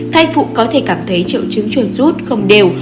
thai phụ có thể cảm thấy triệu chứng chuồn rút không đều